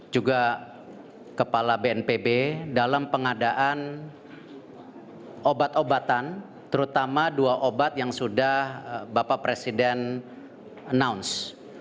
juga kepala bnpb dalam pengadaan obat obatan terutama dua obat yang sudah bapak presiden announce